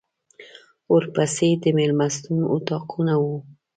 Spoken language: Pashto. ورپسې د مېلمستون اطاقونه وو.